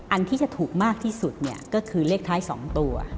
อันที่จะถูกมากที่สุดเนี่ยก็คือเลขท้าย๒ตัว